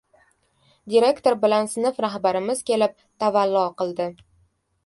Direktor bilan sinf rahbarimiz kelib tavallo qildi.